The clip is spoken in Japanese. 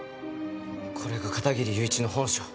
これが片切友一の本性。